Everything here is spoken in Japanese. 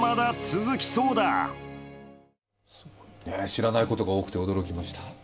知らないことが多くて驚きました。